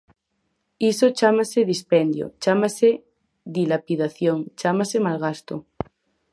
Iso chámase dispendio, chámase dilapidación, chámase malgasto.